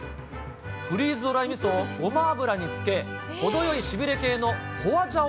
フリーズドライみそをごま油に漬け、程よいしびれ系のホワジャオ